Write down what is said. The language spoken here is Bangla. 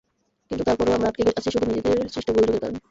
কিন্তু তার পরও আমরা আটকে আছি শুধু নিজেদের সৃষ্ট গোলযোগের কারণে।